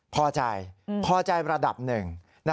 พอใจพอใจระดับหนึ่ง